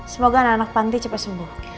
semoga anak anak panti cepat sembuh